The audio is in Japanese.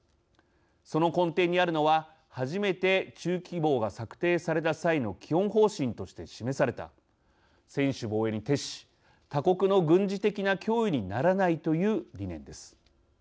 その根底にあるのは初めて中期防が策定された際の基本方針として示された「専守防衛に徹し他国の軍事的な脅威にならない」という理念です。